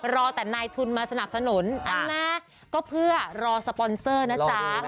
รอแต่นายทุนมาสนับสนุนอันนะก็เพื่อรอสปอนเซอร์นะจ๊ะ